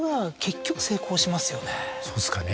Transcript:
そうですかね。